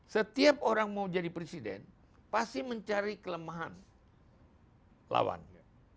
setiap orang mau jadi presiden pasti mencari kelemahan lawannya